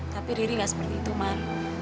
tapi riri gak seperti itu mar